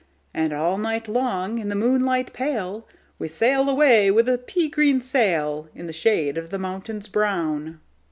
And all night long, in the moonlight pale, We sail away with a pea green sailIn the shade of the mountains brown."